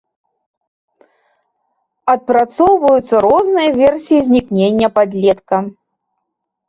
Адпрацоўваюцца розныя версіі знікнення падлетка.